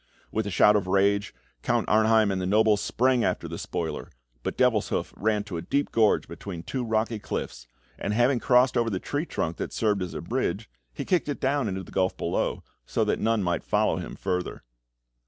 With a shout of rage, Count Arnheim and the nobles sprang after the spoiler, but Devilshoof ran to a deep gorge between two rocky cliffs, and having crossed over the tree trunk that served as a bridge, he kicked it down into the gulf below, so that none might follow him further.